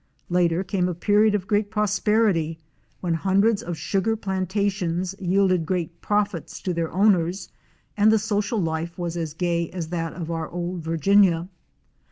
Later came a period of great prosperity when hundreds of sugar plantations yielded great profits to their owners and the social life was as gay as that of our old Virginia.